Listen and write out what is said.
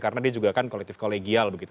karena dia juga kan kolektif kolegial begitu